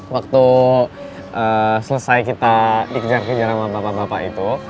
waktu selesai kita dikejar kejar sama bapak bapak itu